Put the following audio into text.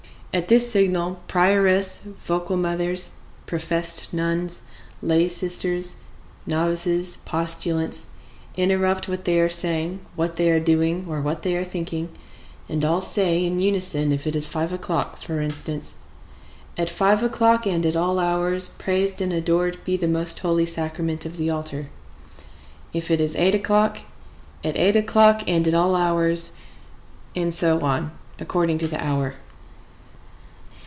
At this signal prioress, vocal mothers, professed nuns, lay sisters, novices, postulants, interrupt what they are saying, what they are doing, or what they are thinking, and all say in unison if it is five o'clock, for instance, "At five o'clock and at all hours praised and adored be the most Holy Sacrament of the altar!" If it is eight o'clock, "At eight o'clock and at all hours!" and so on, according to the hour.